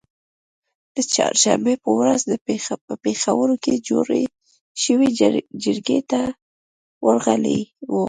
د چهارشنبې په ورځ په پیښور کې جوړی شوې جرګې ته ورغلي وو